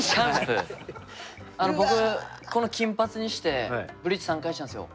僕この金髪にしてブリーチ３回したんですよ。